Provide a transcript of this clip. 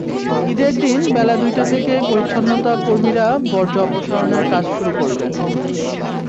ঈদের দিন বেলা দুইটা থেকেই পরিচ্ছন্নতাকর্মীরা বর্জ্য অপসারণের কাজ শুরু করবেন।